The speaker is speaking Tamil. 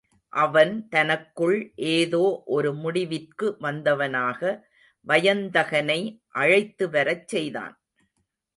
அவன் தனக்குள் ஏதோ ஒரு முடிவிற்கு வந்தவனாக, வயந்தகனை அழைத்துவரச் செய்தான்.